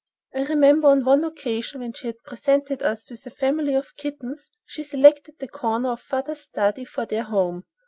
I remember on one occasion when she had presented us with a family of kittens, she selected a corner of father's study for their home.